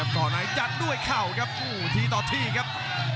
ต่อไหนจัดด้วยเขากับทีต่อทีครับ